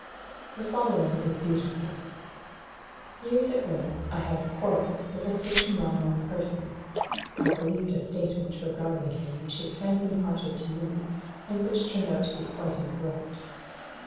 The following is beautiful: "Years ago I had a quarrel with a certain well known person (I believed a statement regarding him which his friends imparted to me, and which turned out to be quite incorrect).